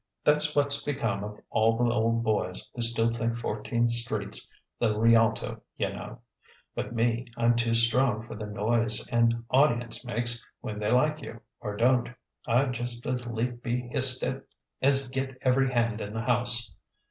That's what's become of all the old boys who still think Fourteenth Street's the Rialto, yunno. But me, I'm too strong for the noise an audience makes when they like you, or don't: I'd just as lief be hissed as get every hand in the house.